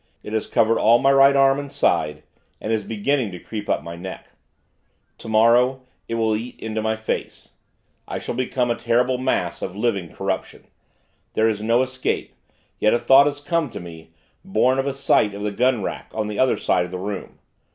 It has covered all my right arm and side, and is beginning to creep up my neck. Tomorrow, it will eat into my face. I shall become a terrible mass of living corruption. There is no escape. Yet, a thought has come to me, born of a sight of the gun rack, on the other side of the room.